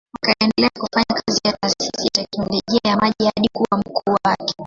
Akaendelea kufanya kazi ya taasisi ya teknolojia ya maji hadi kuwa mkuu wake.